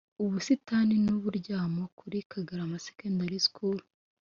ubusitani n uburyamo kuri kagarama secondary school